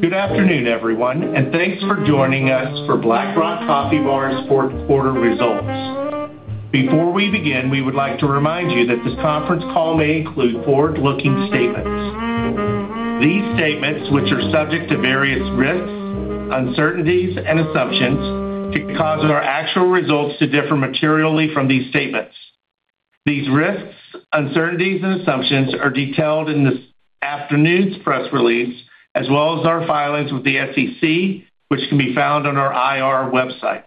Good afternoon, everyone, and thanks for joining us for Black Rock Coffee Bar's fourth quarter results. Before we begin, we would like to remind you that this conference call may include forward-looking statements. These statements, which are subject to various risks, uncertainties, and assumptions could cause our actual results to differ materially from these statements. These risks, uncertainties, and assumptions are detailed in this afternoon's press release, as well as our filings with the SEC, which can be found on our IR website.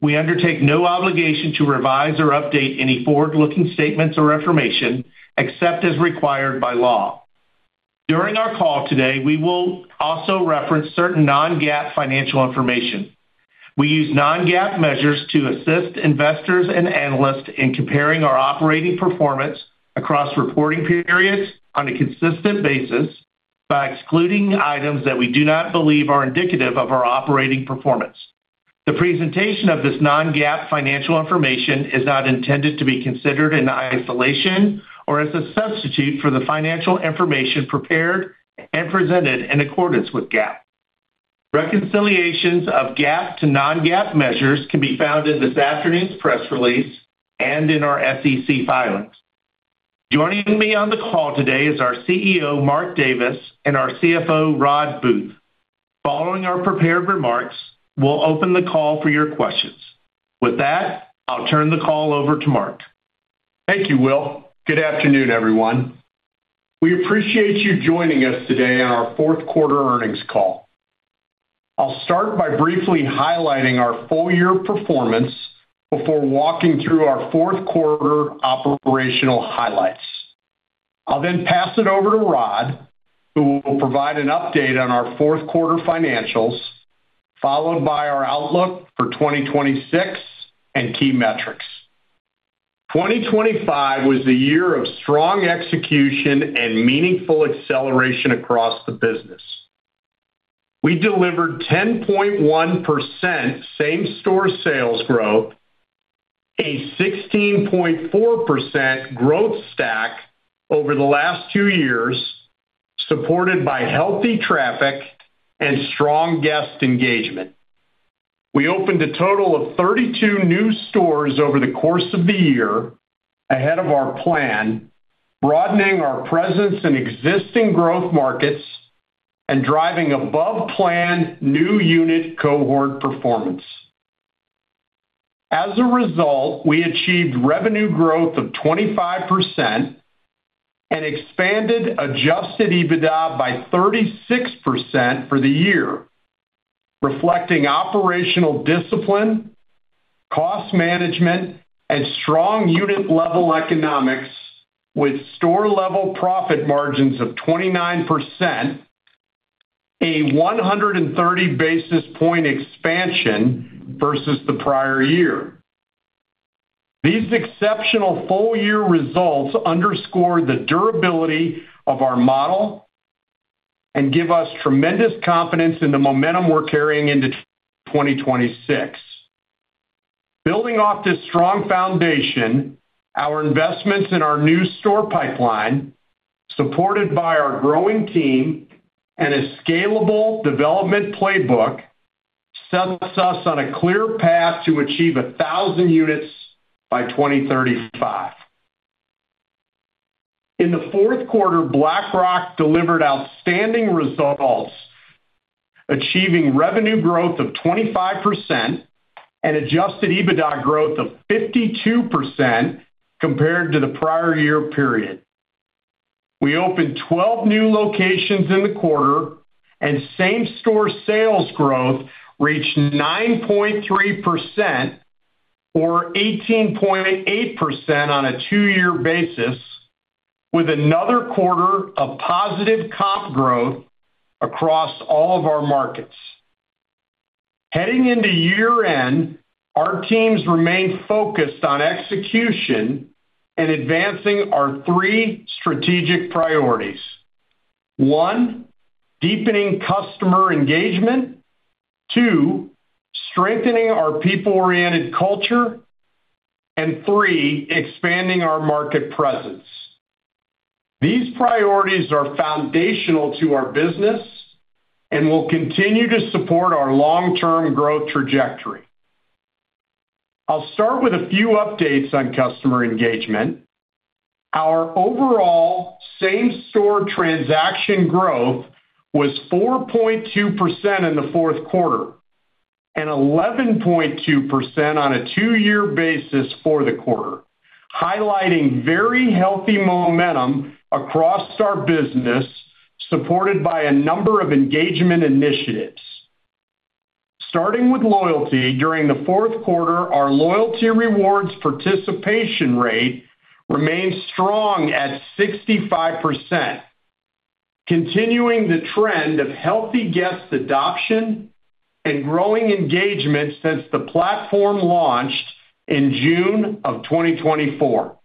We undertake no obligation to revise or update any forward-looking statements or information, except as required by law. During our call today, we will also reference certain non-GAAP financial information. We use non-GAAP measures to assist investors and analysts in comparing our operating performance across reporting periods on a consistent basis by excluding items that we do not believe are indicative of our operating performance. The presentation of this non-GAAP financial information is not intended to be considered in isolation or as a substitute for the financial information prepared and presented in accordance with GAAP. Reconciliations of GAAP to non-GAAP measures can be found in this afternoon's press release and in our SEC filings. Joining me on the call today is our CEO, Mark Davis, and our CFO, Rodd Booth. Following our prepared remarks, we'll open the call for your questions. With that, I'll turn the call over to Mark. Thank you, Will. Good afternoon, everyone. We appreciate you joining us today on our fourth quarter earnings call. I'll start by briefly highlighting our full-year performance before walking through our fourth quarter operational highlights. I'll then pass it over to Rodd, who will provide an update on our fourth quarter financials, followed by our outlook for 2026 and key metrics. 2025 was a year of strong execution and meaningful acceleration across the business. We delivered 10.1% same-store sales growth, a 16.4% growth stack over the last two years, supported by healthy traffic and strong guest engagement. We opened a total of 32 new stores over the course of the year ahead of our plan, broadening our presence in existing growth markets and driving above plan new unit cohort performance. We achieved revenue growth of 25% and expanded adjusted EBITDA by 36% for the year, reflecting operational discipline, cost management, and strong store-level profit margins of 29%, a 130 basis point expansion versus the prior year. These exceptional full-year results underscore the durability of our model and give us tremendous confidence in the momentum we're carrying into 2026. Building off this strong foundation, our investments in our new store pipeline, supported by our growing team and a scalable development playbook, sets us on a clear path to achieve 1,000 units by 2035. In the fourth quarter, Black Rock delivered outstanding results, achieving revenue growth of 25% and adjusted EBITDA growth of 52% compared to the prior year period. We opened 12 new locations in the quarter and same-store sales growth reached 9.3% or 18.8% on a two-year basis, with another quarter of positive comp growth across all of our markets. Heading into year-end, our teams remain focused on execution and advancing our three strategic priorities. One, deepening customer engagement. Two, strengthening our people-oriented culture. Three, expanding our market presence. These priorities are foundational to our business and will continue to support our long-term growth trajectory. I'll start with a few updates on customer engagement. Our overall same-store transaction growth was 4.2% in the fourth quarter and 11.2% on a two-year basis for the quarter, highlighting very healthy momentum across our business, supported by a number of engagement initiatives. Starting with loyalty, during the fourth quarter, our loyalty rewards participation rate remained strong at 65%, continuing the trend of healthy guest adoption and growing engagement since the platform launched in June of 2024.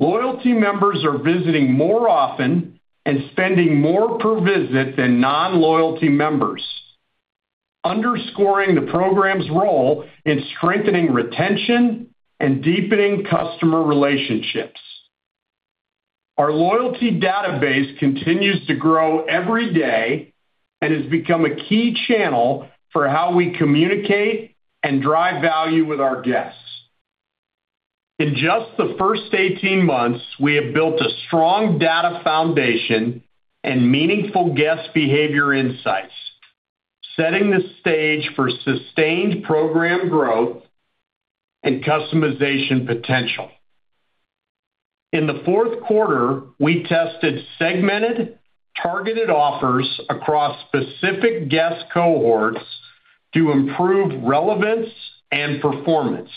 Loyalty members are visiting more often and spending more per visit than non-loyalty members, underscoring the program's role in strengthening retention and deepening customer relationships. Our loyalty database continues to grow every day and has become a key channel for how we communicate and drive value with our guests. In just the first 18 months, we have built a strong data foundation and meaningful guest behavior insights, setting the stage for sustained program growth and customization potential. In the fourth quarter, we tested segmented, targeted offers across specific guest cohorts to improve relevance and performance.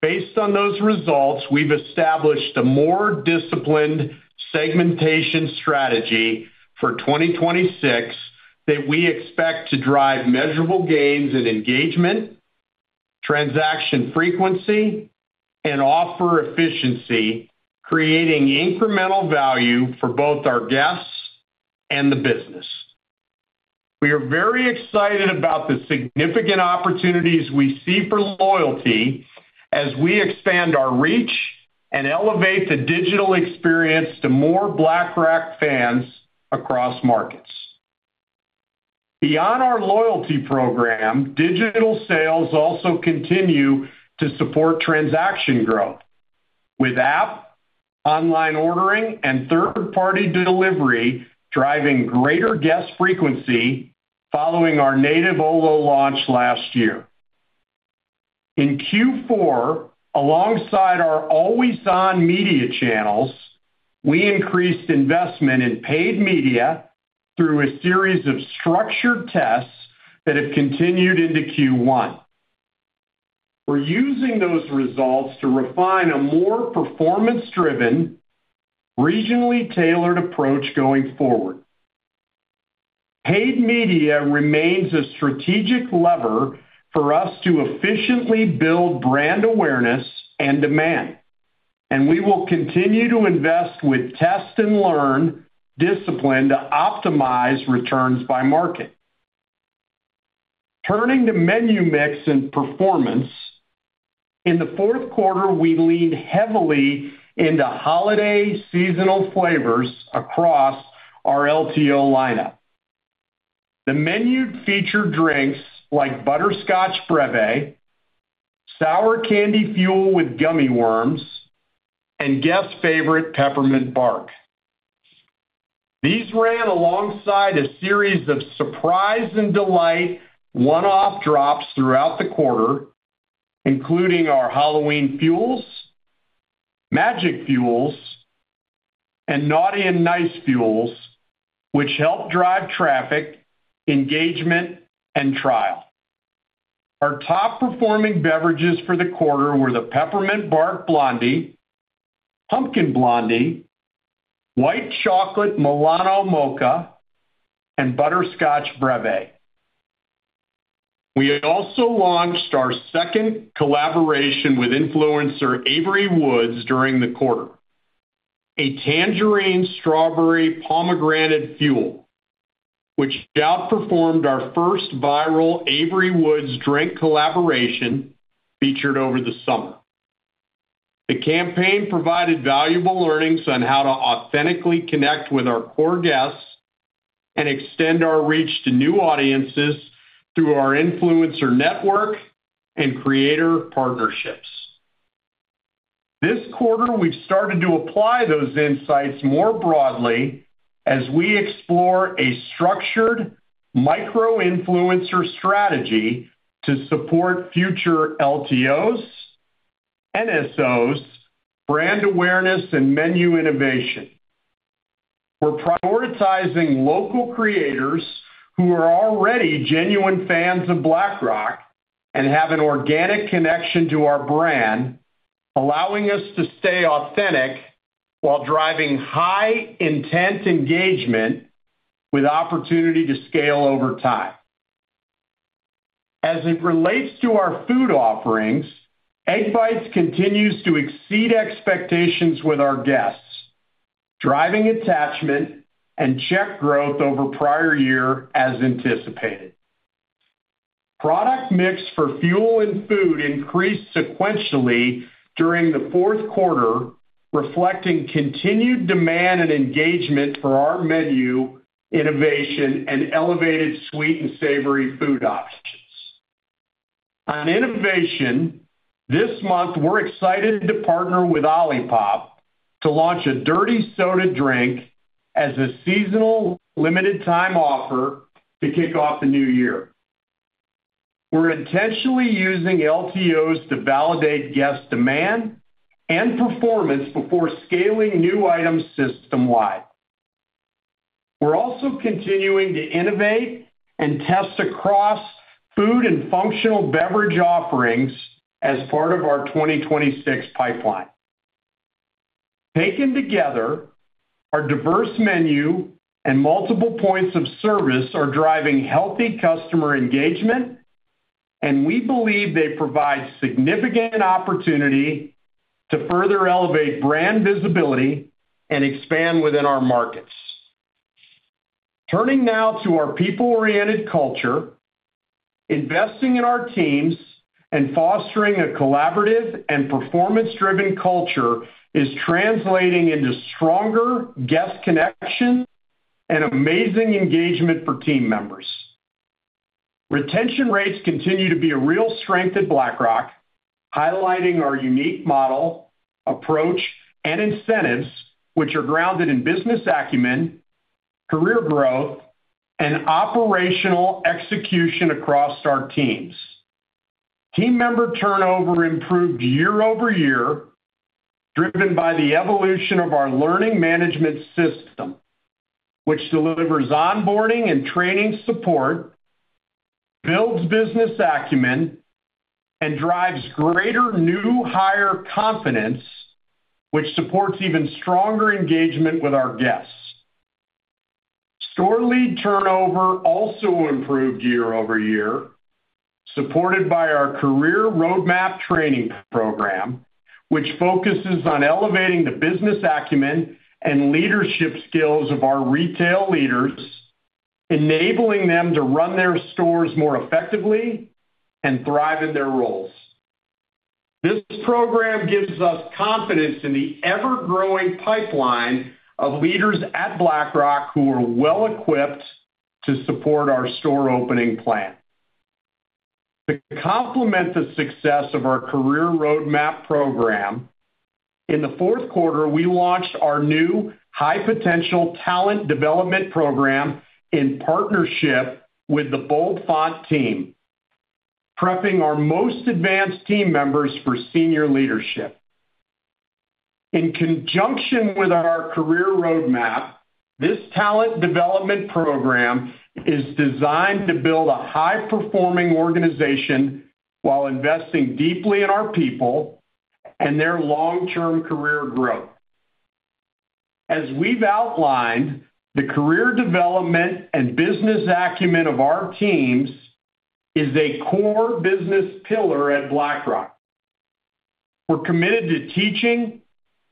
Based on those results, we've established a more disciplined segmentation strategy for 2026 that we expect to drive measurable gains in engagement, transaction frequency, and offer efficiency, creating incremental value for both our guests and the business. We are very excited about the significant opportunities we see for loyalty as we expand our reach and elevate the digital experience to more Black Rock fans across markets. Beyond our loyalty program, digital sales also continue to support transaction growth, with app, online ordering, and third-party delivery driving greater guest frequency following our native Olo launch last year. In Q4, alongside our always-on media channels, we increased investment in paid media through a series of structured tests that have continued into Q1. We're using those results to refine a more performance-driven, regionally tailored approach going forward. Paid media remains a strategic lever for us to efficiently build brand awareness and demand, and we will continue to invest with test and learn discipline to optimize returns by market. Turning to menu mix and performance, in the fourth quarter, we leaned heavily into holiday seasonal flavors across our LTO lineup. The menu featured drinks like Butterscotch Breve, sour candy Fuel with gummy worms, and guest favorite peppermint bark. These ran alongside a series of surprise and delight one-off drops throughout the quarter, including our Halloween Fuels, Magic Fuels, and Naughty and Nice Fuels, which help drive traffic, engagement, and trial. Our top-performing beverages for the quarter were the Peppermint Bark Blondie, Pumpkin Blondie, White Chocolate Milano Mocha, and Butterscotch Breve. We also launched our second collaboration with influencer Avery Woods during the quarter, a tangerine strawberry pomegranate Fuel, which outperformed our first viral Avery Woods drink collaboration featured over the summer. The campaign provided valuable learnings on how to authentically connect with our core guests and extend our reach to new audiences through our influencer network and creator partnerships. This quarter, we've started to apply those insights more broadly as we explore a structured micro-influencer strategy to support future LTOs, NSOs, brand awareness, and menu innovation. We're prioritizing local creators who are already genuine fans of Black Rock and have an organic connection to our brand, allowing us to stay authentic while driving high intent engagement with opportunity to scale over time. As it relates to our food offerings, Egg Bites continues to exceed expectations with our guests, driving attachment and check growth over prior year as anticipated. Product mix for Fuel and food increased sequentially during the fourth quarter, reflecting continued demand and engagement for our menu innovation and elevated sweet and savory food options. On innovation, this month, we're excited to partner with OLIPOP to launch a dirty soda drink as a seasonal limited time offer to kick off the new year. We're intentionally using LTOs to validate guest demand and performance before scaling new items system-wide. We're also continuing to innovate and test across food and functional beverage offerings as part of our 2026 pipeline. Taken together, our diverse menu and multiple points of service are driving healthy customer engagement. We believe they provide significant opportunity to further elevate brand visibility and expand within our markets. Turning now to our people-oriented culture, investing in our teams and fostering a collaborative and performance-driven culture is translating into stronger guest connection and amazing engagement for team members. Retention rates continue to be a real strength at Black Rock, highlighting our unique model, approach, and incentives, which are grounded in business acumen, career growth, and operational execution across our teams. Team member turnover improved year-over-year, driven by the evolution of our learning management system, which delivers onboarding and training support, builds business acumen, and drives greater new hire confidence, which supports even stronger engagement with our guests. Store lead turnover also improved year-over-year, supported by our Career Roadmap training program, which focuses on elevating the business acumen and leadership skills of our retail leaders, enabling them to run their stores more effectively and thrive in their roles. This program gives us confidence in the ever-growing pipeline of leaders at Black Rock who are well equipped to support our store opening plan. To complement the success of our Career Roadmap program, in the fourth quarter, we launched our new high potential talent development program in partnership with the Bold Font team, prepping our most advanced team members for senior leadership. In conjunction with our Career Roadmap, this talent development program is designed to build a high-performing organization while investing deeply in our people and their long-term career growth. As we've outlined, the career development and business acumen of our teams is a core business pillar at Black Rock. We're committed to teaching,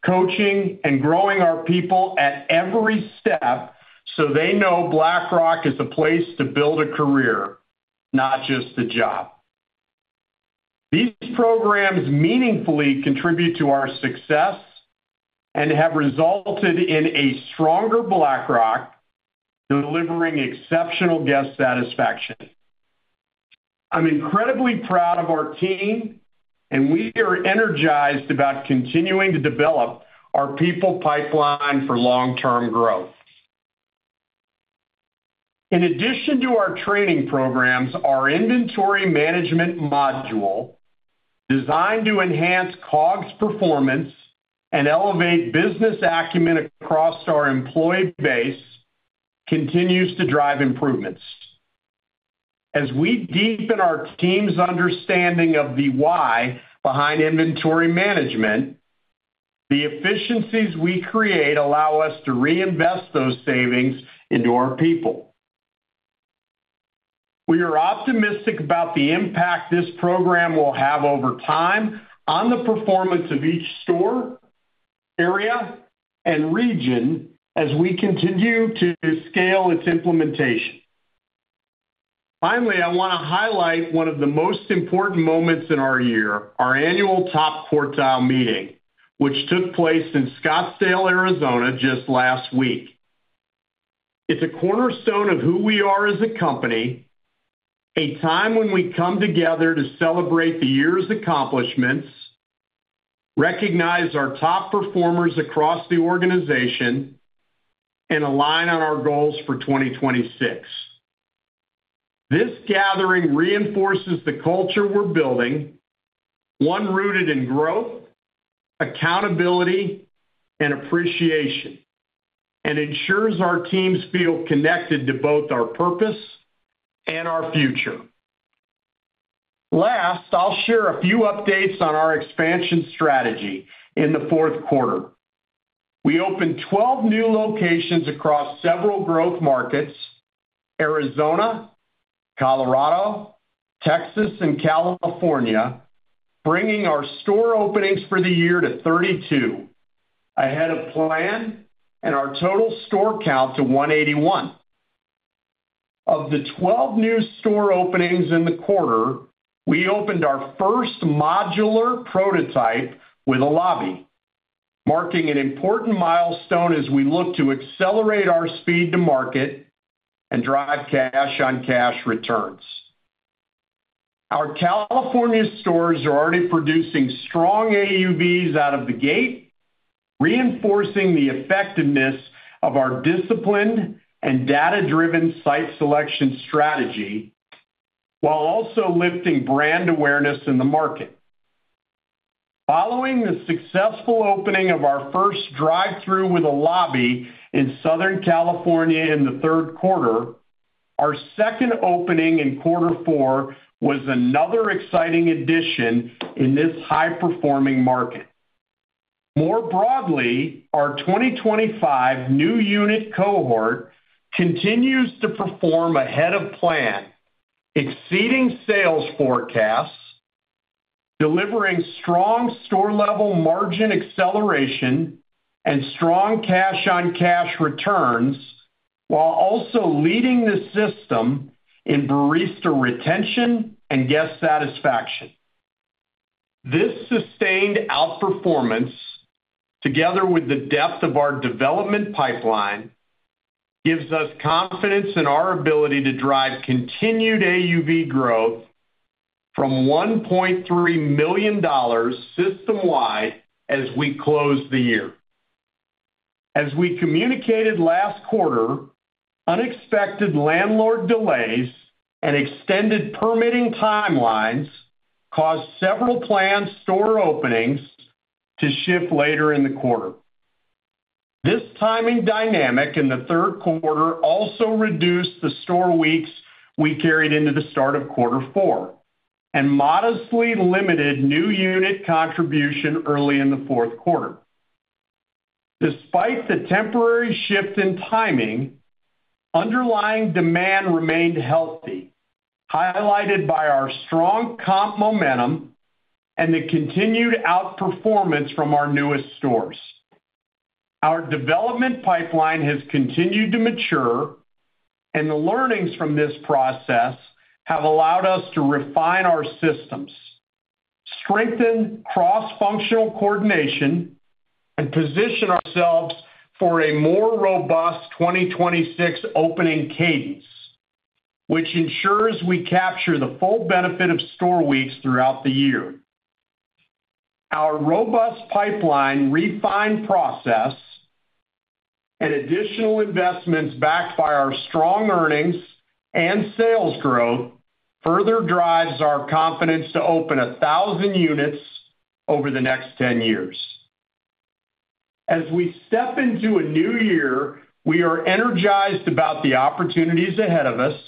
coaching, and growing our people at every step, so they know Black Rock is the place to build a career, not just a job. These programs meaningfully contribute to our success and have resulted in a stronger Black Rock delivering exceptional guest satisfaction. I'm incredibly proud of our team, and we are energized about continuing to develop our people pipeline for long-term growth. In addition to our training programs, our inventory management module, designed to enhance COGS performance and elevate business acumen across our employee base, continues to drive improvements. As we deepen our team's understanding of the why behind inventory management, the efficiencies we create allow us to reinvest those savings into our people. We are optimistic about the impact this program will have over time on the performance of each store, area, and region as we continue to scale its implementation. Finally, I want to highlight one of the most important moments in our year, our annual top quartile meeting, which took place in Scottsdale, Arizona, just last week. It's a cornerstone of who we are as a company, a time when we come together to celebrate the year's accomplishments, recognize our top performers across the organization, and align on our goals for 2026. This gathering reinforces the culture we're building, one rooted in growth, accountability, and appreciation, and ensures our teams feel connected to both our purpose and our future. Last, I'll share a few updates on our expansion strategy in the fourth quarter. We opened 12 new locations across several growth markets, Arizona, Colorado, Texas, and California, bringing our store openings for the year to 32, ahead of plan, and our total store count to 181. Of the 12 new store openings in the quarter, we opened our first modular prototype with a lobby, marking an important milestone as we look to accelerate our speed to market and drive cash-on-cash returns. Our California stores are already producing strong AUVs out of the gate, reinforcing the effectiveness of our disciplined and data-driven site selection strategy while also lifting brand awareness in the market. Following the successful opening of our first drive-through with a lobby in Southern California in the third quarter, our second opening in quarter four was another exciting addition in this high-performing market. More broadly, our 2025 new unit cohort continues to perform ahead of plan, exceeding sales forecasts, delivering strong store-level margin acceleration and strong cash-on-cash returns, while also leading the system in barista retention and guest satisfaction. This sustained outperformance, together with the depth of our development pipeline, gives us confidence in our ability to drive continued AUV growth from $1.3 million system-wide as we close the year. As we communicated last quarter, unexpected landlord delays and extended permitting timelines caused several planned store openings to shift later in the quarter. This timing dynamic in the third quarter also reduced the store weeks we carried into the start of quarter four and modestly limited new unit contribution early in the fourth quarter. Despite the temporary shift in timing, underlying demand remained healthy, highlighted by our strong comp momentum and the continued outperformance from our newest stores. Our development pipeline has continued to mature and the learnings from this process have allowed us to refine our systems, strengthen cross-functional coordination and position ourselves for a more robust 2026 opening cadence, which ensures we capture the full benefit of store weeks throughout the year. Our robust pipeline refined process and additional investments backed by our strong earnings and sales growth further drives our confidence to open 1,000 units over the next 10 years. As we step into a new year, we are energized about the opportunities ahead of us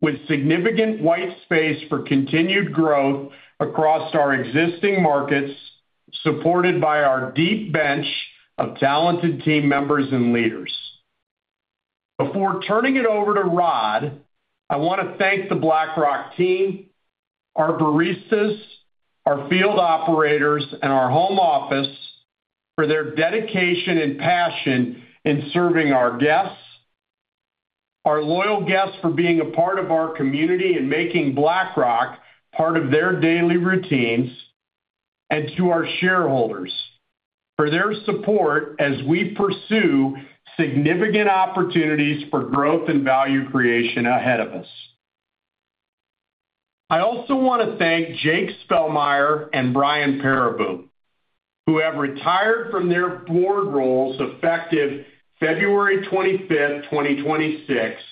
with significant white space for continued growth across our existing markets, supported by our deep bench of talented team members and leaders. Before turning it over to Rodd, I want to thank the Black Rock team, our baristas, our field operators, and our home office for their dedication and passion in serving our guests, our loyal guests for being a part of our community and making Black Rock part of their daily routines, and to our shareholders for their support as we pursue significant opportunities for growth and value creation ahead of us. I also want to thank Jake Spellmeyer and Brian Pereboom, who have retired from their board roles effective February 25, 2026,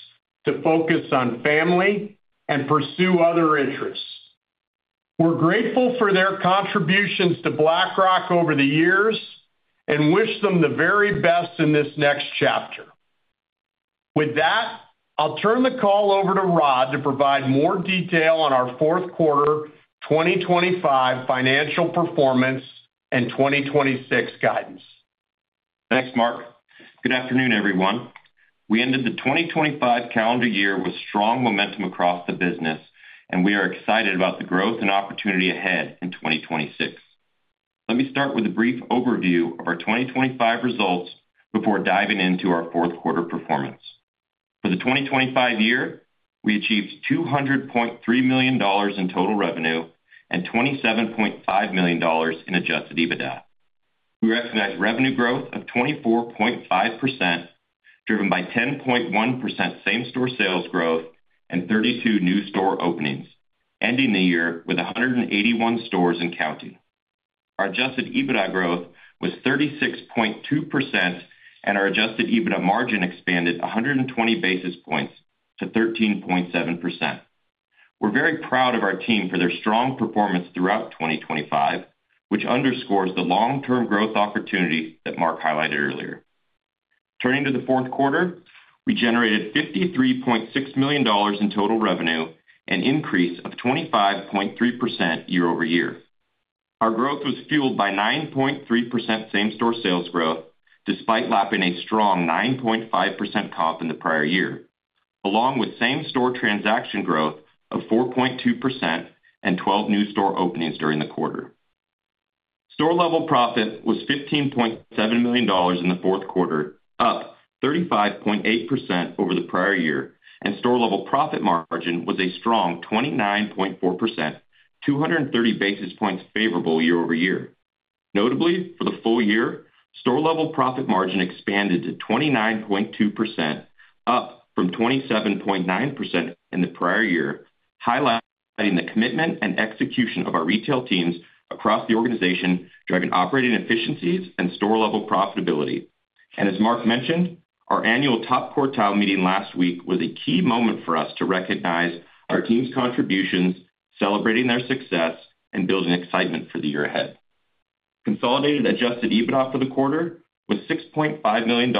to focus on family and pursue other interests. We're grateful for their contributions to Black Rock over the years and wish them the very best in this next chapter. With that, I'll turn the call over to Rodd to provide more detail on our fourth quarter 2025 financial performance and 2026 guidance. Thanks, Mark. Good afternoon, everyone. We ended the 2025 calendar year with strong momentum across the business, we are excited about the growth and opportunity ahead in 2026. Let me start with a brief overview of our 2025 results before diving into our fourth quarter performance. For the 2025 year, we achieved $200.3 million in total revenue and $27.5 million in adjusted EBITDA. We recognized revenue growth of 24.5%, driven by 10.1% same-store sales growth and 32 new store openings, ending the year with 181 stores and counting. Our adjusted EBITDA growth was 36.2% and our adjusted EBITDA margin expanded 120 basis points to 13.7%. We're very proud of our team for their strong performance throughout 2025, which underscores the long-term growth opportunity that Mark highlighted earlier. Turning to the fourth quarter, we generated $53.6 million in total revenue, an increase of 25.3% year-over-year. Our growth was fueled by 9.3% same-store sales growth despite lapping a strong 9.5% comp in the prior year, along with same-store transaction growth of 4.2% and 12 new store openings during the quarter. Store-level profit was $15.7 million in the fourth quarter, up 35.8% over the prior year, and store-level profit margin was a strong 29.4%, 230 basis points favorable year-over-year. Notably, for the full-year, store-level profit margin expanded to 29.2%, up from 27.9% in the prior year, highlighting the commitment and execution of our retail teams across the organization, driving operating efficiencies and store-level profitability. As Mark mentioned, our annual top quartile meeting last week was a key moment for us to recognize our team's contributions, celebrating their success and building excitement for the year ahead. Consolidated adjusted EBITDA for the quarter was $6.5 million,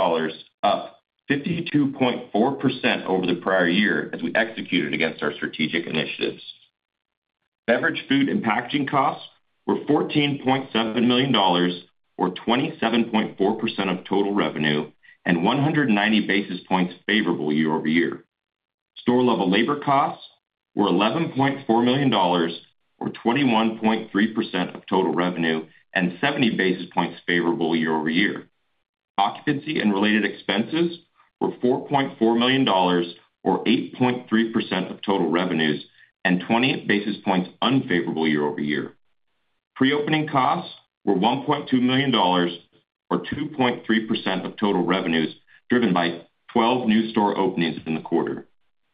up 52.4% over the prior year as we executed against our strategic initiatives. Beverage, food, and packaging costs were $14.7 million or 27.4% of total revenue and 190 basis points favorable year-over-year. Store-level labor costs were $11.4 million or 21.3% of total revenue and 70 basis points favorable year-over-year. Occupancy and related expenses were $4.4 million or 8.3% of total revenues and 20 basis points unfavorable year-over-year. Pre-opening costs were $1.2 million or 2.3% of total revenues, driven by 12 new store openings in the quarter.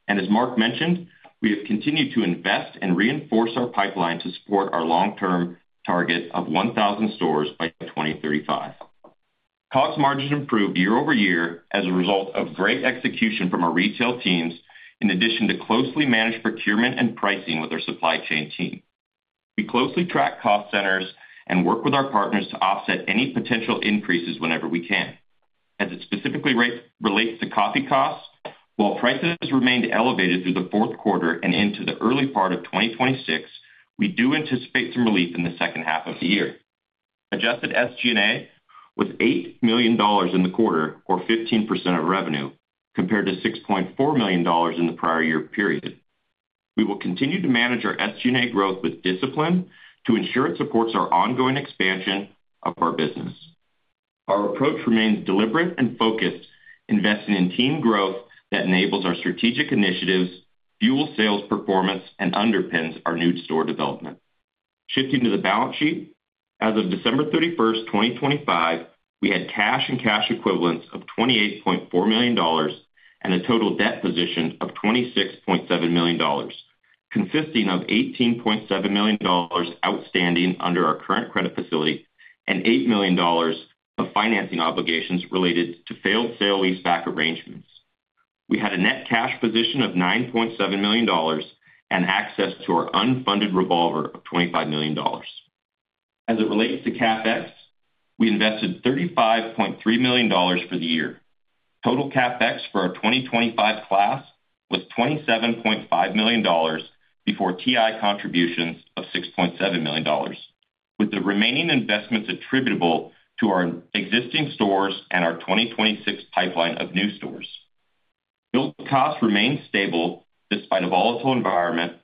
As Mark mentioned, we have continued to invest and reinforce our pipeline to support our long-term target of 1,000 stores by 2035. Cost margins improved year-over-year as a result of great execution from our retail teams, in addition to closely managed procurement and pricing with our supply chain team. We closely track cost centers and work with our partners to offset any potential increases whenever we can. As it specifically relates to coffee costs, while prices remained elevated through the fourth quarter and into the early part of 2026, we do anticipate some relief in the second half of the year. Adjusted SG&A was $8 million in the quarter or 15% of revenue, compared to $6.4 million in the prior year period. We will continue to manage our SG&A growth with discipline to ensure it supports our ongoing expansion of our business. Our approach remains deliberate and focused, investing in team growth that enables our strategic initiatives, fuel sales performance, and underpins our new store development. Shifting to the balance sheet. As of December 31st, 2025, we had cash and cash equivalents of $28.4 million and a total debt position of $26.7 million, consisting of $18.7 million outstanding under our current credit facility and $8 million of financing obligations related to failed sale-leaseback arrangements. We had a net cash position of $9.7 million and access to our unfunded revolver of $25 million. As it relates to CapEx, we invested $35.3 million for the year. Total CapEx for our 2025 class was $27.5 million before TI contributions of $6.7 million, with the remaining investments attributable to our existing stores and our 2026 pipeline of new stores. Build costs remain stable despite a volatile environment,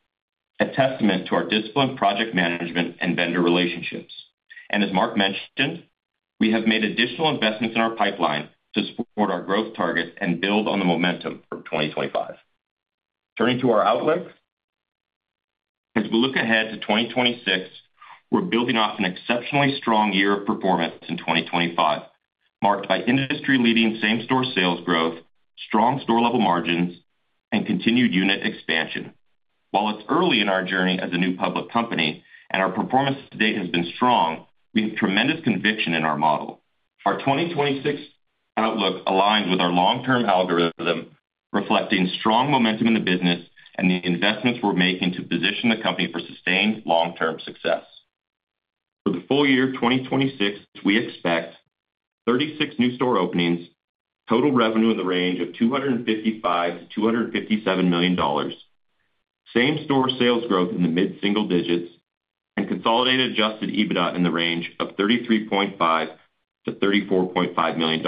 a testament to our disciplined project management and vendor relationships. As Mark mentioned, we have made additional investments in our pipeline to support our growth target and build on the momentum from 2025. Turning to our outlook. As we look ahead to 2026, we're building off an exceptionally strong year of performance in 2025, marked by industry-leading same-store sales growth, strong store level margins, and continued unit expansion. While it's early in our journey as a new public company, and our performance to date has been strong, we have tremendous conviction in our model. Our 2026 outlook aligns with our long-term algorithm, reflecting strong momentum in the business and the investments we're making to position the company for sustained long-term success. For the full-year of 2026, we expect 36 new store openings, total revenue in the range of $255 million-$257 million, same-store sales growth in the mid-single digits, consolidated adjusted EBITDA in the range of $33.5 million-$34.5 million,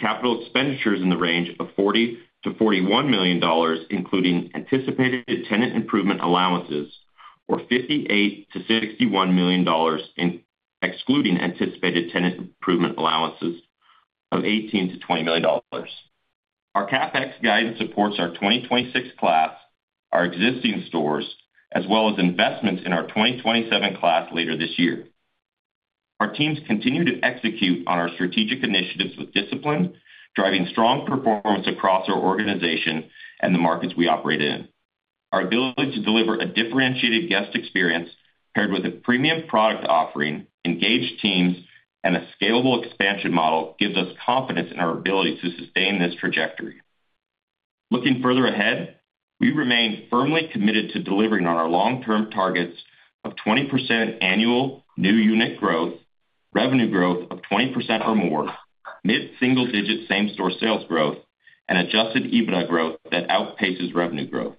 capital expenditures in the range of $40 million-$41 million, including anticipated tenant improvement allowances or $58 million-$61 million in excluding anticipated tenant improvement allowances of $18 million-$20 million. Our CapEx guidance supports our 2026 class, our existing stores, as well as investments in our 2027 class later this year. Our teams continue to execute on our strategic initiatives with discipline, driving strong performance across our organization and the markets we operate in. Our ability to deliver a differentiated guest experience paired with a premium product offering, engaged teams, and a scalable expansion model gives us confidence in our ability to sustain this trajectory. Looking further ahead, we remain firmly committed to delivering on our long-term targets of 20% annual new unit growth, revenue growth of 20% or more, mid-single digit same-store sales growth, and adjusted EBITDA growth that outpaces revenue growth.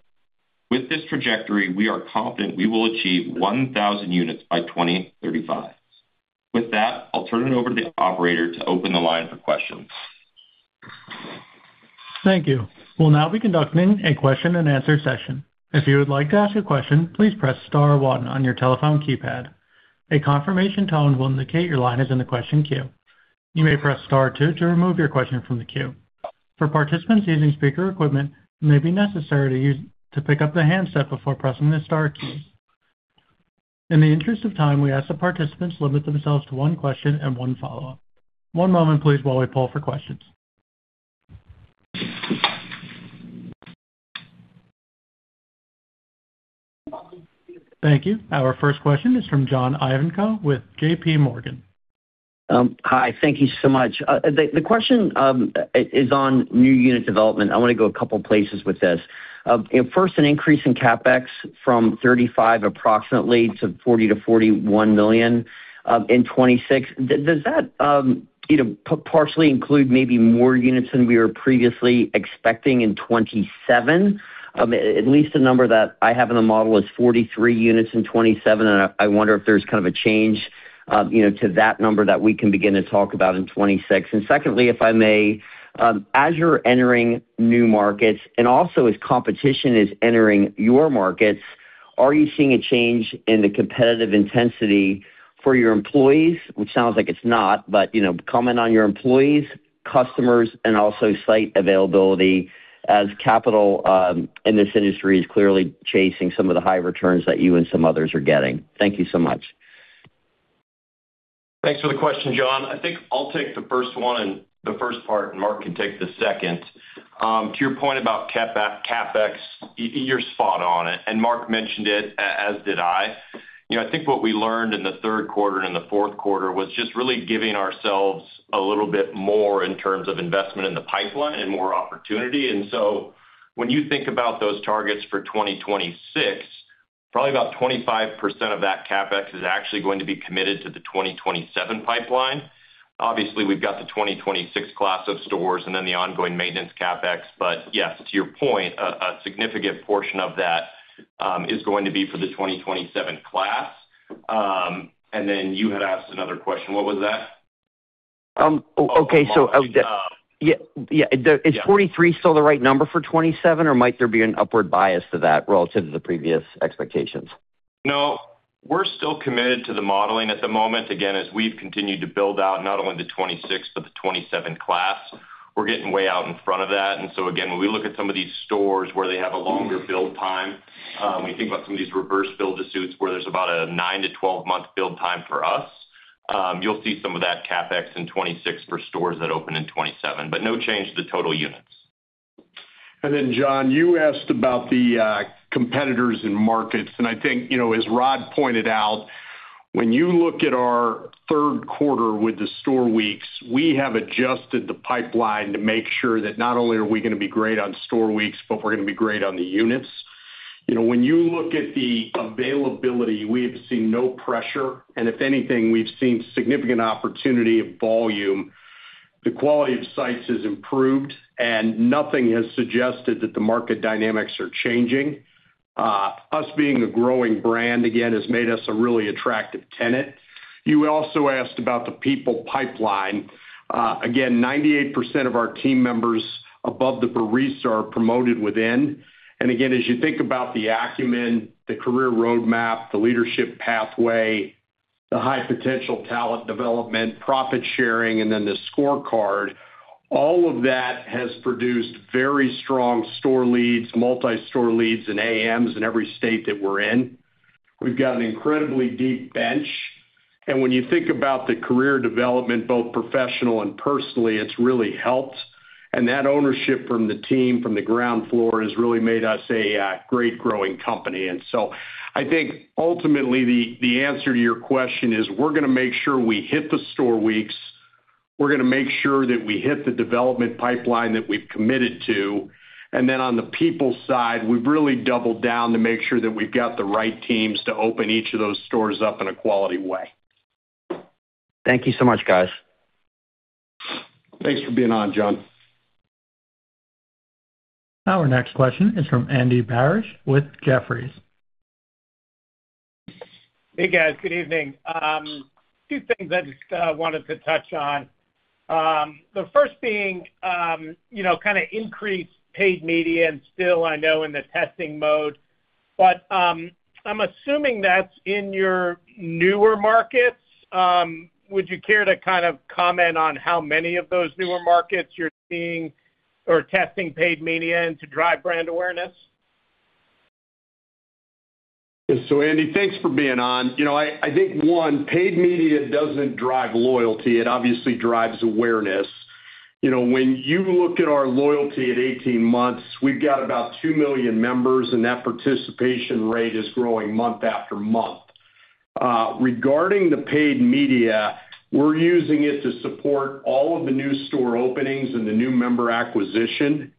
With this trajectory, we are confident we will achieve 1,000 units by 2035. With that, I'll turn it over to the operator to open the line for questions. Thank you. We'll now be conducting a question and answer session. If you would like to ask a question, please press star one on your telephone keypad. A confirmation tone will indicate your line is in the question queue. You may press star two to remove your question from the queue. For participants using speaker equipment, it may be necessary to pick up the handset before pressing the star keys. In the interest of time, we ask that participants limit themselves to one question and one follow-up. One moment, please, while we poll for questions. Thank you. Our first question is from John Ivankoe with JPMorgan. Hi. Thank you so much. The question is on new unit development. I wanna go a couple places with this. First, an increase in CapEx from $35 million approximately to $40 million-$41 million in 2026. Does that, you know, partially include maybe more units than we were previously expecting in 2027? At least the number that I have in the model is 43 units in 2027, and I wonder if there's kind of a change. You know, to that number that we can begin to talk about in 2026. Secondly, if I may, as you're entering new markets and also as competition is entering your markets, are you seeing a change in the competitive intensity for your employees? Which sounds like it's not, but, you know, comment on your employees, customers, and also site availability as capital in this industry is clearly chasing some of the high returns that you and some others are getting. Thank you so much. Thanks for the question, John. I think I'll take the first one and the first part, and Mark can take the second. To your point about CapEx, you're spot on it, and Mark mentioned it, as did I. You know, I think what we learned in the third quarter and the fourth quarter was just really giving ourselves a little bit more in terms of investment in the pipeline and more opportunity. When you think about those targets for 2026, probably about 25% of that CapEx is actually going to be committed to the 2027 pipeline. Obviously, we've got the 2026 class of stores and then the ongoing maintenance CapEx. Yes, to your point, a significant portion of that is going to be for the 2027 class. You had asked another question. What was that? Okay. Yeah. Yeah. Is 43 still the right number for 2027, or might there be an upward bias to that relative to the previous expectations? No, we're still committed to the modeling at the moment. Again, as we've continued to build out not only the 2026, but the 2027 class, we're getting way out in front of that. Again, when we look at some of these stores where they have a longer build time, we think about some of these reverse build-to-suit where there's about a nine to 12-month build time for us, you'll see some of that CapEx in 2026 for stores that open in 2027, but no change to total units. John, you asked about the competitors in markets. I think, you know, as Rodd pointed out, when you look at our third quarter with the store weeks, we have adjusted the pipeline to make sure that not only are we gonna be great on store weeks, but we're gonna be great on the units. You know, when you look at the availability, we have seen no pressure. If anything, we've seen significant opportunity of volume. The quality of sites has improved, and nothing has suggested that the market dynamics are changing. Us being a growing brand again has made us a really attractive tenant. You also asked about the people pipeline. Again, 98% of our team members above the barista are promoted within. Again, as you think about the acumen, the Career Roadmap, the leadership pathway, the high potential talent development, profit sharing, and then the scorecard, all of that has produced very strong store leads, multi-store leads, and AMs in every state that we're in. We've got an incredibly deep bench. When you think about the career development, both professional and personally, it's really helped. That ownership from the team from the ground floor has really made us a great growing company. I think ultimately the answer to your question is we're gonna make sure we hit the store weeks. We're gonna make sure that we hit the development pipeline that we've committed to. Then on the people side, we've really doubled down to make sure that we've got the right teams to open each of those stores up in a quality way. Thank you so much, guys. Thanks for being on, John. Our next question is from Andy Barish with Jefferies. Hey, guys. Good evening. two things I just wanted to touch on. The first being, you know, kinda increased paid media and still I know in the testing mode, but I'm assuming that's in your newer markets. Would you care to kind of comment on how many of those newer markets you're seeing or testing paid media in to drive brand awareness? Andy, thanks for being on. You know, I think, one, paid media doesn't drive loyalty. It obviously drives awareness. You know, when you look at our loyalty at 18 months, we've got about two million members, and that participation rate is growing month after month. Regarding the paid media, we're using it to support all of the new store openings and the new member acquisition.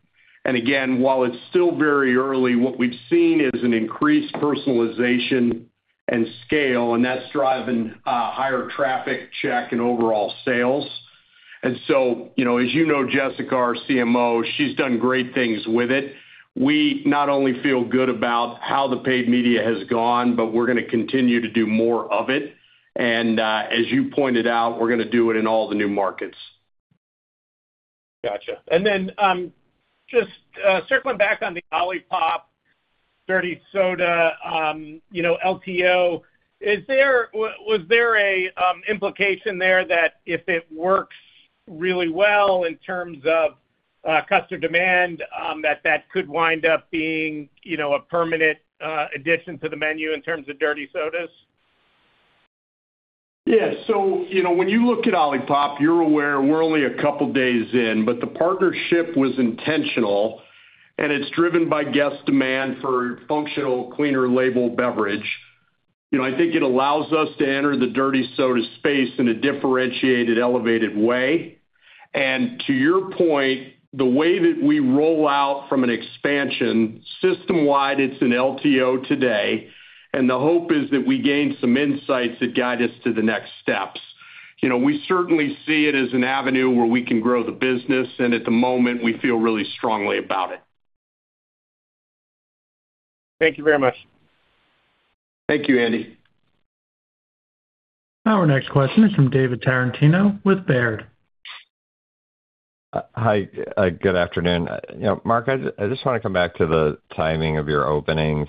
Again, while it's still very early, what we've seen is an increased personalization and scale, and that's driving higher traffic check and overall sales. You know, as you know, Jessica, our CMO, she's done great things with it. We not only feel good about how the paid media has gone, but we're gonna continue to do more of it. As you pointed out, we're gonna do it in all the new markets. Gotcha. just circling back on the OLIPOP Dirty Soda, you know, LTO, is there a implication there that if it works really well in terms of customer demand, that that could wind up being, you know, a permanent addition to the menu in terms of Dirty Sodas? You know, when you look at OLIPOP, you're aware we're only a couple days in, but the partnership was intentional, and it's driven by guest demand for functional, cleaner label beverage. You know, I think it allows us to enter the Dirty Soda space in a differentiated, elevated way. To your point, the way that we roll out from an expansion system-wide, it's an LTO today, and the hope is that we gain some insights that guide us to the next steps. You know, we certainly see it as an avenue where we can grow the business, and at the moment, we feel really strongly about it. Thank you very much. Thank you, Andy. Our next question is from David Tarantino with Baird. Hi. Good afternoon. You know, Mark, I just wanna come back to the timing of your openings,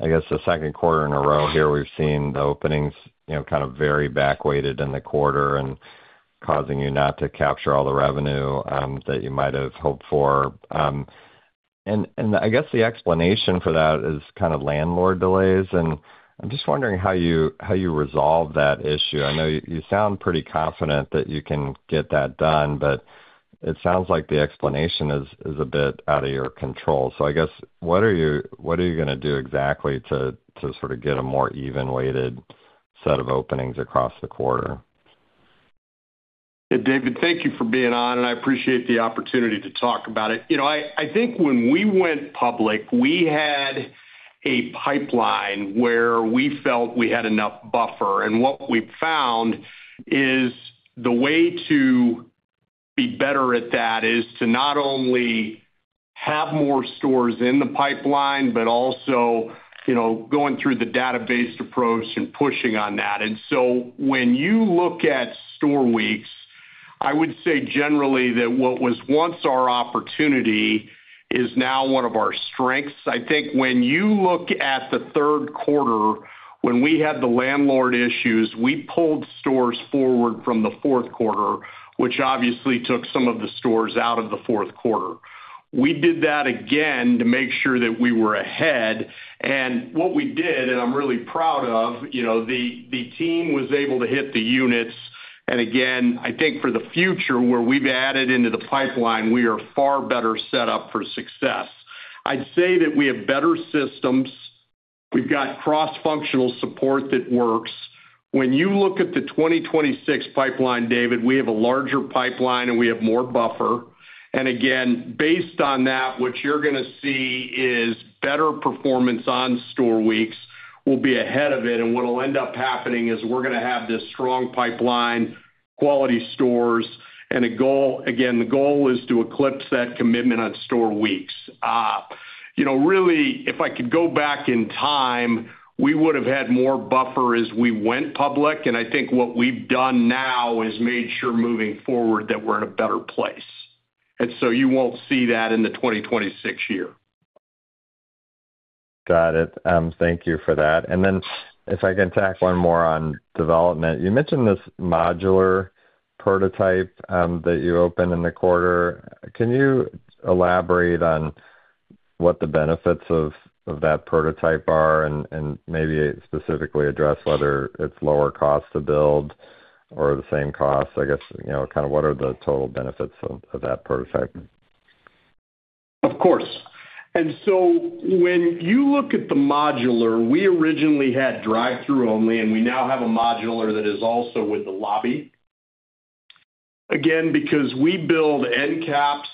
I guess the second quarter in a row here, we've seen the openings, you know, kind of very back weighted in the quarter and causing you not to capture all the revenue that you might have hoped for. I guess the explanation for that is kind of landlord delays, I'm just wondering how you, how you resolve that issue. I know you sound pretty confident that you can get that done, but it sounds like the explanation is a bit out of your control. I guess, what are you gonna do exactly to sort of get a more even weighted set of openings across the quarter? Yeah, David, thank you for being on, and I appreciate the opportunity to talk about it. You know, I think when we went public, we had a pipeline where we felt we had enough buffer. What we found is the way to be better at that is to not only have more stores in the pipeline, but also, you know, going through the data-based approach and pushing on that. When you look at store weeks, I would say generally that what was once our opportunity is now one of our strengths. I think when you look at the third quarter, when we had the landlord issues, we pulled stores forward from the fourth quarter, which obviously took some of the stores out of the fourth quarter. We did that again to make sure that we were ahead. What we did, and I'm really proud of, you know, the team was able to hit the units. Again, I think for the future where we've added into the pipeline, we are far better set up for success. I'd say that we have better systems. We've got cross-functional support that works. When you look at the 2026 pipeline, David, we have a larger pipeline, and we have more buffer. Again, based on that, what you're gonna see is better performance on store weeks. We'll be ahead of it, and what'll end up happening is we're gonna have this strong pipeline, quality stores, and again, the goal is to eclipse that commitment on store weeks. You know, really, if I could go back in time, we would have had more buffer as we went public, and I think what we've done now is made sure moving forward that we're in a better place. You won't see that in the 2026 year. Got it. Thank you for that. If I can tack one more on development. You mentioned this modular prototype, that you opened in the quarter. Can you elaborate on what the benefits of that prototype are and maybe specifically address whether it's lower cost to build or the same cost? I guess, you know, kind of what are the total benefits of that prototype? Of course. When you look at the modular, we originally had drive-through only, and we now have a modular that is also with a lobby. Again, because we build end caps,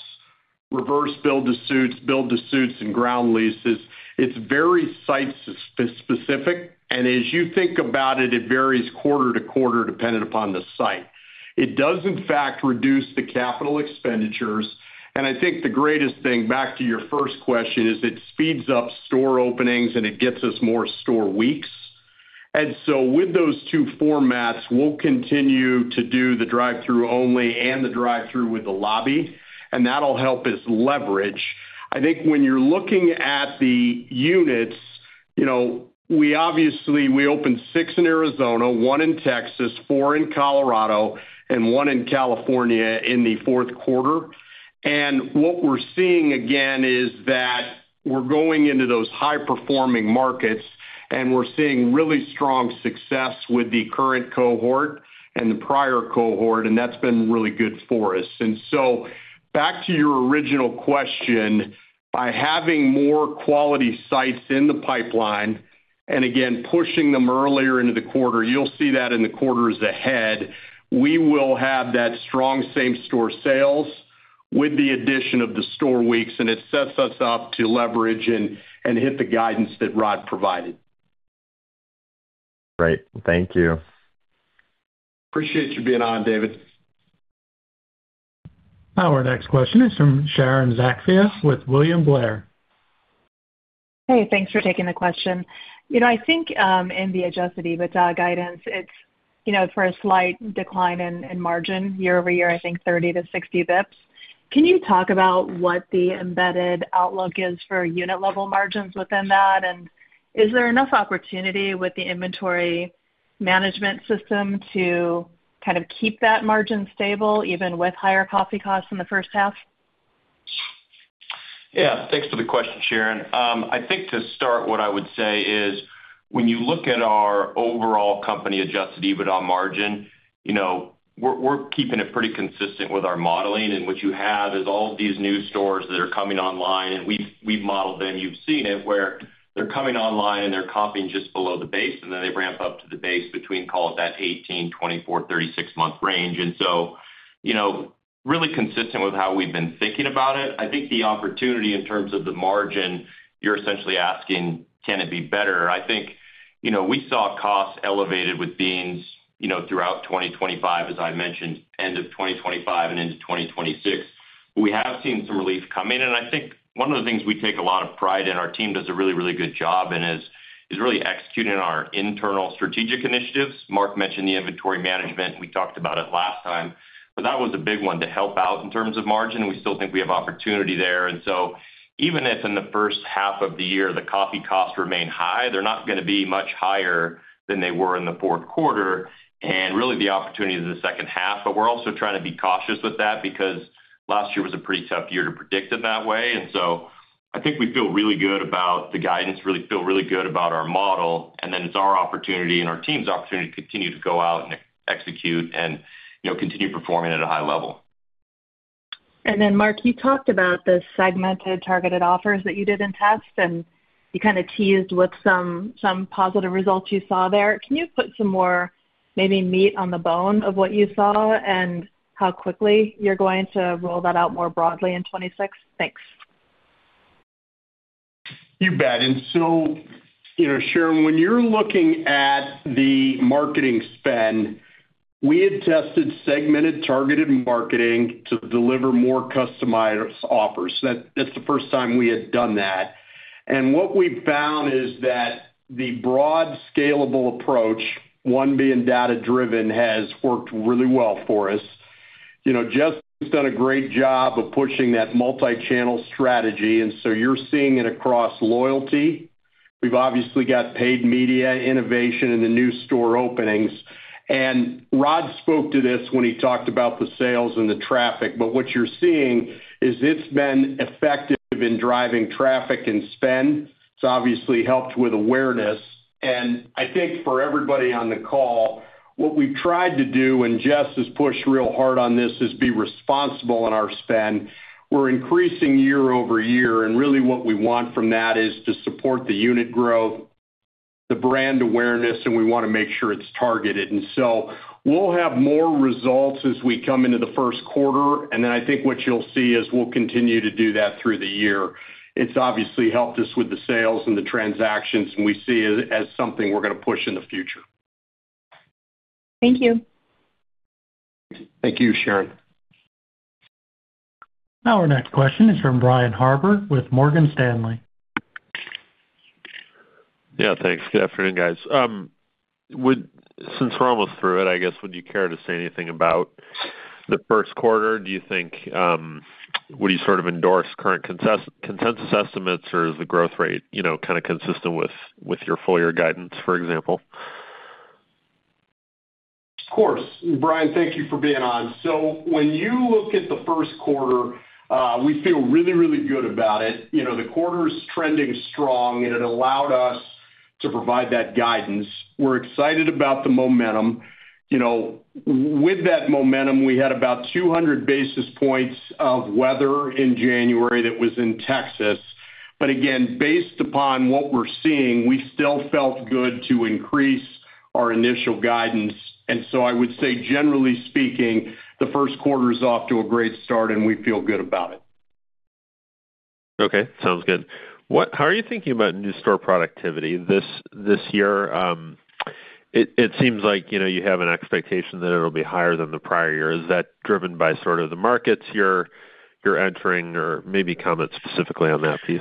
reverse build-to-suits, build-to-suits, and ground leases, it's very site-specific, and as you think about it varies quarter-to-quarter dependent upon the site. It does in fact reduce the capital expenditures. I think the greatest thing, back to your first question, is it speeds up store openings, and it gets us more store weeks. With those two formats, we'll continue to do the drive-through only and the drive-through with the lobby, and that'll help us leverage. I think when you're looking at the units, you know, we opened six in Arizona, one in Texas, four in Colorado, and one in California in the fourth quarter. What we're seeing again is that we're going into those high-performing markets, and we're seeing really strong success with the current cohort and the prior cohort, and that's been really good for us. Back to your original question, by having more quality sites in the pipeline, and again, pushing them earlier into the quarter, you'll see that in the quarters ahead, we will have that strong same-store sales with the addition of the store weeks, and it sets us up to leverage and hit the guidance that Rodd provided. Great. Thank you. Appreciate you being on, David. Our next question is from Sharon Zackfia with William Blair. Hey, thanks for taking the question. You know, I think, in the adjusted EBITDA guidance, it's, you know, for a slight decline in margin year-over-year, I think 30-60 basis points. Can you talk about what the embedded outlook is for unit level margins within that? Is there enough opportunity with the inventory management system to kind of keep that margin stable even with higher coffee costs in the first half? Yeah. Thanks for the question, Sharon. I think to start, what I would say is, when you look at our overall company adjusted EBITDA margin, you know, we're keeping it pretty consistent with our modeling, and what you have is all of these new stores that are coming online, and we've modeled them, you've seen it, where they're coming online, and they're copying just below the base, and then they ramp up to the base between, call it, that 18, 24, 36-month range. You know, really consistent with how we've been thinking about it. I think the opportunity in terms of the margin, you're essentially asking, can it be better? I think, you know, we saw costs elevated with beans, you know, throughout 2025, as I mentioned, end of 2025 and into 2026. We have seen some relief coming. I think one of the things we take a lot of pride in, our team does a really, really good job and is really executing on our internal strategic initiatives. Mark mentioned the inventory management. We talked about it last time, but that was a big one to help out in terms of margin, and we still think we have opportunity there. Even if in the first half of the year, the coffee costs remain high, they're not gonna be much higher than they were in the fourth quarter and really the opportunity is in the second half. We're also trying to be cautious with that because last year was a pretty tough year to predict it that way. I think we feel really good about the guidance, really feel really good about our model, and then it's our opportunity and our team's opportunity to continue to go out and execute and, you know, continue performing at a high level. Mark, you talked about the segmented targeted offers that you did in test, and you kind of teased with some positive results you saw there. Can you put some more, maybe meat on the bone of what you saw and how quickly you're going to roll that out more broadly in 2026? Thanks. You bet. You know, Sharon, when you're looking at the marketing spend, we had tested segmented targeted marketing to deliver more customized offers. That's the first time we had done that. What we found is that the broad scalable approach, one being data-driven, has worked really well for us. You know, Jess has done a great job of pushing that multi-channel strategy, and so you're seeing it across loyalty. We've obviously got paid media innovation in the new store openings. Rodd spoke to this when he talked about the sales and the traffic. What you're seeing is it's been effective in driving traffic and spend. It's obviously helped with awareness. I think for everybody on the call, what we've tried to do, and Jess has pushed real hard on this, is be responsible in our spend. We're increasing year-over-year, and really what we want from that is to support the unit growth, the brand awareness, and we wanna make sure it's targeted. We'll have more results as we come into the first quarter, and then I think what you'll see is we'll continue to do that through the year. It's obviously helped us with the sales and the transactions, and we see it as something we're gonna push in the future. Thank you. Thank you, Sharon. Our next question is from Brian Harbour with Morgan Stanley. Yeah, thanks. Good afternoon, guys. Since we're almost through it, I guess, would you care to say anything about the first quarter? Do you think, would you sort of endorse current consensus estimates, or is the growth rate, you know, kind of consistent with your full-year guidance, for example? Of course. Brian, thank you for being on. When you look at the first quarter, we feel really, really good about it. You know, the quarter is trending strong, and it allowed us to provide that guidance. We're excited about the momentum. You know, with that momentum, we had about 200 basis points of weather in January that was in Texas. Again, based upon what we're seeing, we still felt good to increase our initial guidance. I would say, generally speaking, the first quarter is off to a great start, and we feel good about it. Okay, sounds good. How are you thinking about new store productivity this year? It seems like, you know, you have an expectation that it'll be higher than the prior year. Is that driven by sort of the markets you're entering? Or maybe comment specifically on that piece.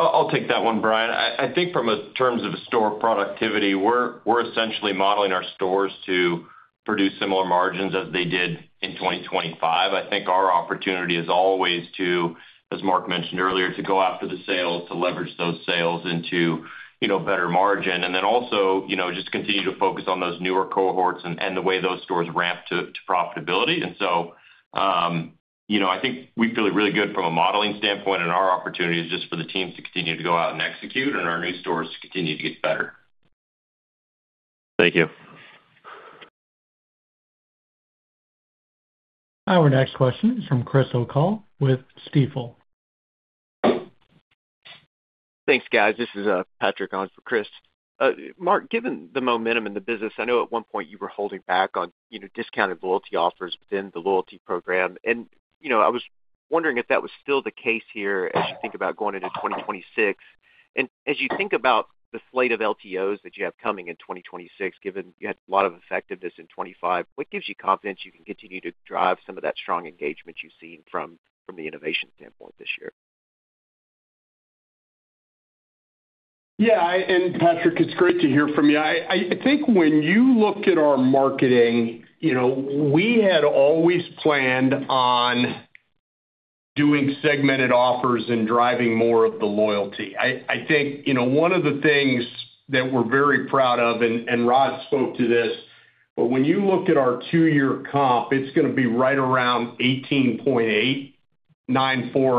I'll take that one, Brian. I think from a terms of store productivity, we're essentially modeling our stores to produce similar margins as they did in 2025. I think our opportunity is always to, as Mark mentioned earlier, to go after the sales, to leverage those sales into, you know, better margin. Also, you know, just continue to focus on those newer cohorts and the way those stores ramp to profitability. You know, I think we feel really good from a modeling standpoint, and our opportunity is just for the teams to continue to go out and execute and our new stores to continue to get better. Thank you. Our next question is from Chris O'Cull with Stifel. Thanks, guys. This is Patrick on for Chris. Mark, given the momentum in the business, I know at one point you were holding back on, you know, discounted loyalty offers within the loyalty program. You know, I was wondering if that was still the case here as you think about going into 2026. As you think about the slate of LTOs that you have coming in 2026, given you had a lot of effectiveness in 2025, what gives you confidence you can continue to drive some of that strong engagement you've seen from the innovation standpoint this year? Yeah, Patrick, it's great to hear from you. I think when you look at our marketing, you know, we had always planned on doing segmented offers and driving more of the loyalty. I think, you know, one of the things that we're very proud of, and Rodd spoke to this, but when you look at our two-year comp, it's gonna be right around 18.894%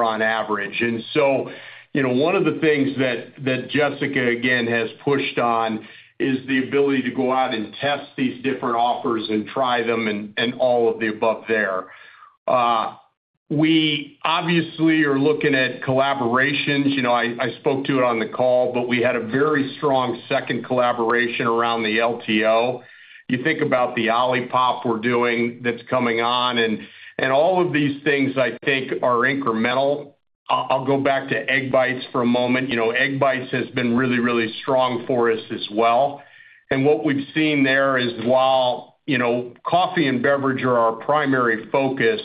on average. So, you know, one of the things that Jessica again has pushed on is the ability to go out and test these different offers and try them and all of the above there. We obviously are looking at collaborations. You know, I spoke to it on the call, but we had a very strong second collaboration around the LTO. You think about the OLIPOP we're doing that's coming on, and all of these things I think are incremental. I'll go back to Egg Bites for a moment. You know, Egg Bites has been really strong for us as well. What we've seen there is while, you know, coffee and beverage are our primary focus.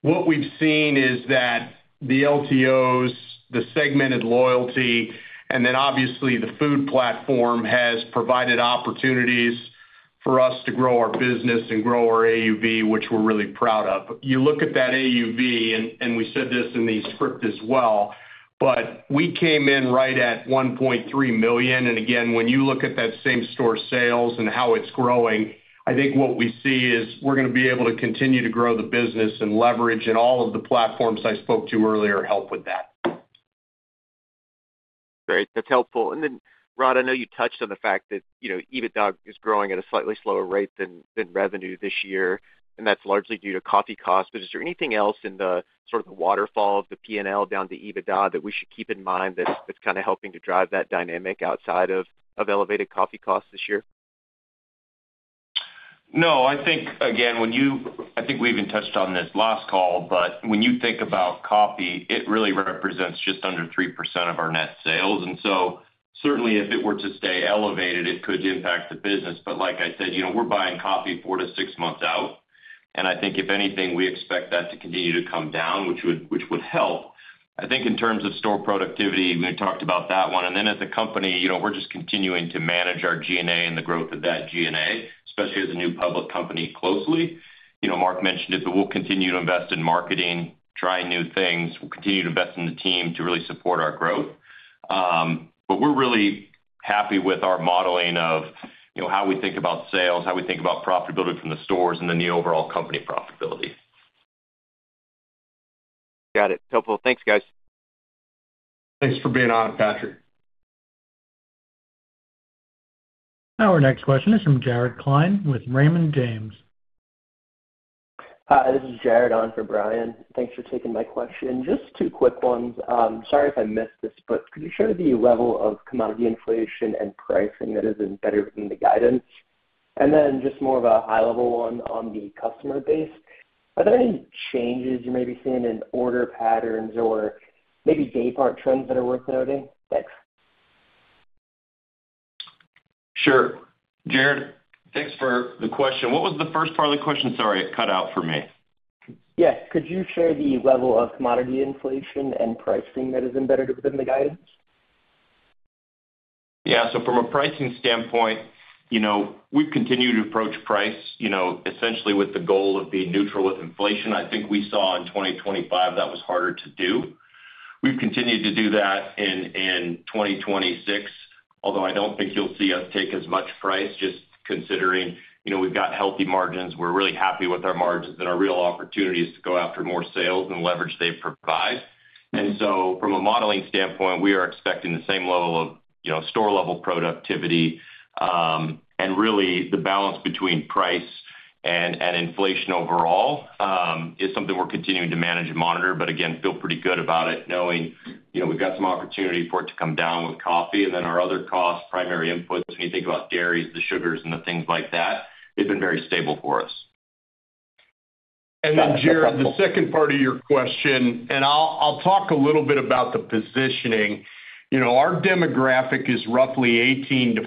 What we've seen is that the LTOs, the segmented loyalty, and then obviously the food platform has provided opportunities for us to grow our business and grow our AUV, which we're really proud of. You look at that AUV, and we said this in the script as well, but we came in right at $1.3 million. Again, when you look at that same-store sales and how it's growing, I think what we see is we're going to be able to continue to grow the business and leverage, and all of the platforms I spoke to earlier help with that. Great. That's helpful. Rodd, I know you touched on the fact that, you know, EBITDA is growing at a slightly slower rate than revenue this year, and that's largely due to coffee costs. Is there anything else in the sort of the waterfall of the P&L down to EBITDA that we should keep in mind that's kinda helping to drive that dynamic outside of elevated coffee costs this year? No. I think, again, I think we even touched on this last call, when you think about coffee, it really represents just under 3% of our net sales. Certainly if it were to stay elevated, it could impact the business. Like I said, you know, we're buying coffee four to six months out, and I think if anything, we expect that to continue to come down, which would help. I think in terms of store productivity, we talked about that one. As a company, you know, we're just continuing to manage our G&A and the growth of that G&A, especially as a new public company, closely. You know, Mark mentioned it, we'll continue to invest in marketing, trying new things. We'll continue to invest in the team to really support our growth. We're really happy with our modeling of, you know, how we think about sales, how we think about profitability from the stores, and then the overall company profitability. Got it. Helpful. Thanks, guys. Thanks for being on, Patrick. Our next question is from Jared Klein with Raymond James. Hi, this is Jared Klein on for Brian. Thanks for taking my question. Just two quick ones. Sorry if I missed this, but could you share the level of commodity inflation and pricing that is embedded in the guidance? Just more of a high-level one on the customer base. Are there any changes you may be seeing in order patterns or maybe daypart trends that are worth noting? Thanks. Sure. Jared, thanks for the question. What was the first part of the question? Sorry, it cut out for me. Yes. Could you share the level of commodity inflation and pricing that is embedded within the guidance? Yeah. From a pricing standpoint, you know, we've continued to approach price, you know, essentially with the goal of being neutral with inflation. I think we saw in 2025 that was harder to do. We've continued to do that in 2026, although I don't think you'll see us take as much price just considering, you know, we've got healthy margins. We're really happy with our margins, our real opportunity is to go after more sales and leverage they provide. From a modeling standpoint, we are expecting the same level of, you know, store-level productivity. Really the balance between price and inflation overall is something we're continuing to manage and monitor, but again, feel pretty good about it, knowing, you know, we've got some opportunity for it to come down with coffee. Our other costs, primary inputs, when you think about dairies, the sugars, and the things like that, they've been very stable for us. Then, Jared, the second part of your question, I'll talk a little bit about the positioning. You know, our demographic is roughly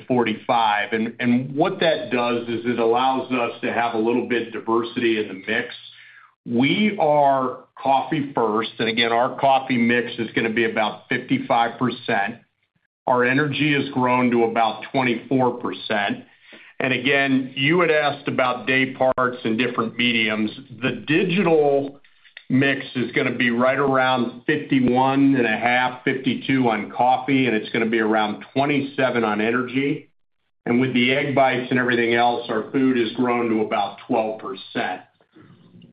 18-45, and what that does is it allows us to have a little bit diversity in the mix. We are coffee first. Again, our coffee mix is gonna be about 55%. Our energy has grown to about 24%. Again, you had asked about dayparts and different mediums. The digital mix is gonna be right around 51.5%-52% on coffee, and it's gonna be around 27% on energy. With the Egg Bites and everything else, our food has grown to about 12%.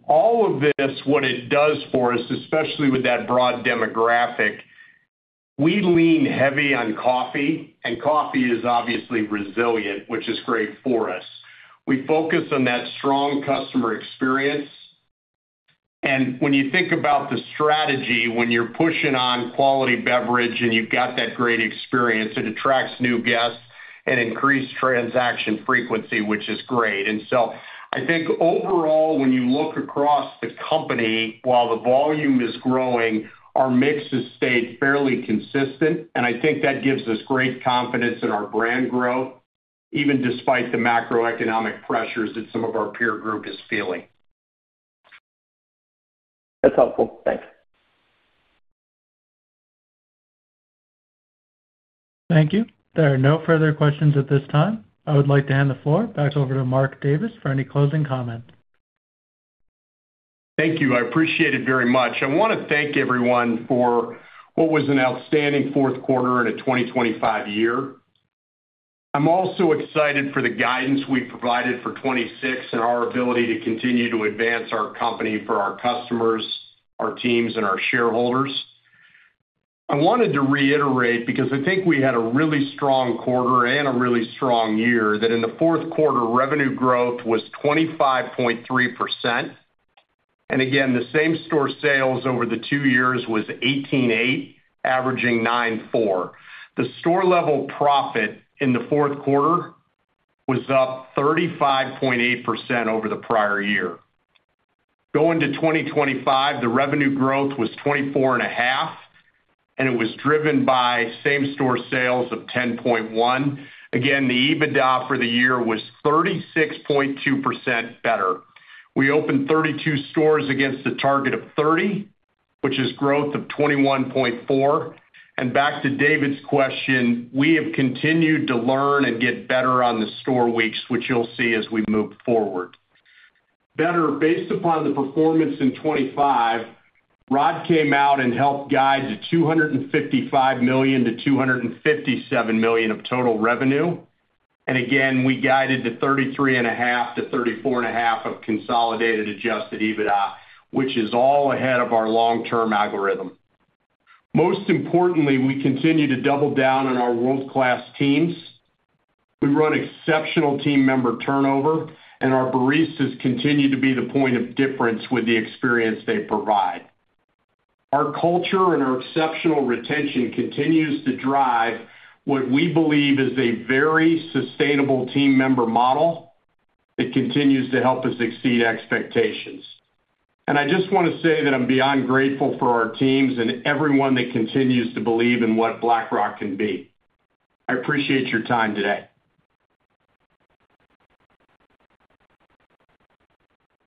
All of this, what it does for us, especially with that broad demographic, we lean heavy on coffee, and coffee is obviously resilient, which is great for us. We focus on that strong customer experience. When you think about the strategy, when you're pushing on quality beverage and you've got that great experience, it attracts new guests and increased transaction frequency, which is great. I think overall, when you look across the company, while the volume is growing, our mix has stayed fairly consistent, and I think that gives us great confidence in our brand growth, even despite the macroeconomic pressures that some of our peer group is feeling. That's helpful. Thanks. Thank you. There are no further questions at this time. I would like to hand the floor back over to Mark Davis for any closing comments. Thank you. I appreciate it very much. I wanna thank everyone for what was an outstanding fourth quarter and a 2025 year. I'm also excited for the guidance we provided for 2026 and our ability to continue to advance our company for our customers, our teams, and our shareholders. I wanted to reiterate, because I think we had a really strong quarter and a really strong year, that in the fourth quarter, revenue growth was 25.3%. Again, the same-store sales over the two years was 18.8%, averaging 9.4%. The store-level profit in the fourth quarter was up 35.8% over the prior year. Going to 2025, the revenue growth was 24.5%, and it was driven by same-store sales of 10.1%. Again, the EBITDA for the year was 36.2% better. We opened 32 stores against a target of 30, which is growth of 21.4%. Back to David's question, we have continued to learn and get better on the store weeks, which you'll see as we move forward. Better based upon the performance in 2025, Rodd came out and helped guide the $255 million-$257 million of total revenue. Again, we guided to 33.5%-34.5% of consolidated adjusted EBITDA, which is all ahead of our long-term algorithm. Most importantly, we continue to double down on our world-class teams. We run exceptional team member turnover, and our baristas continue to be the point of difference with the experience they provide. Our culture and our exceptional retention continues to drive what we believe is a very sustainable team member model. It continues to help us exceed expectations. I just wanna say that I'm beyond grateful for our teams and everyone that continues to believe in what Black Rock can be. I appreciate your time today.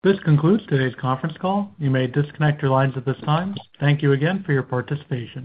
This concludes today's conference call. You may disconnect your lines at this time. Thank you again for your participation.